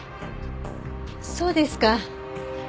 そうですか。